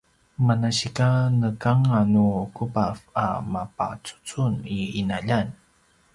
manasika nekanganu kubav a mapacucun i ’inaljan